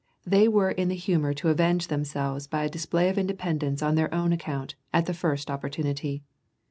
They were in the humor to avenge themselves by a display of independence on their own account, at the first opportunity.